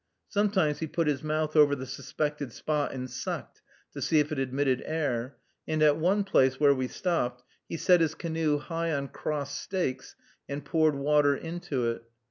Sometimes he put his mouth over the suspected spot and sucked, to see if it admitted air; and at one place, where we stopped, he set his canoe high on crossed stakes, and poured water into it.